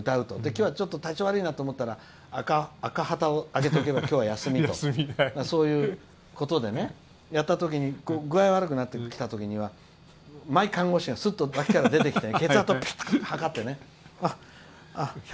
今日はちょっと体調悪いなと思ったら赤旗を揚げておけば今日は休みと、そういうことでやったときに具合悪くなってきたときにはマイ看護師が、すっと出てきて血圧をぴっと計って１３０の７７。